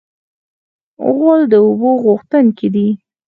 غول د اوبو غوښتونکی دی.